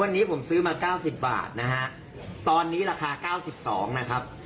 วันนี้ผมซื้อมา๙๐บาทนะครับตอนนี้ราคา๙๒นะครับ